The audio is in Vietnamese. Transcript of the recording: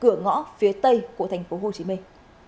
cửa ngõ phía tây của thành phố hồ chí minh